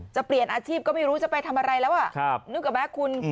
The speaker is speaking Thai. จะเปลี่ยนอาชีพก็ไม่รู้จะไปทำอะไรแล้วนึกออกไหมคุณ